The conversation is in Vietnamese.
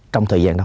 trong thời gian đó